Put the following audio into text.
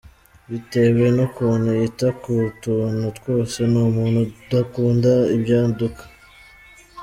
Bitewe n’ukuntu yita ku tuntu twose, ni umuntu udakunda ibyaduka.